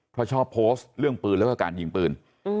เพราะชอบโพสต์เรื่องปืนแล้วก็การยิงปืน